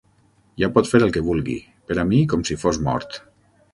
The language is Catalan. Ja pot fer el que vulgui: per a mi, com si fos mort.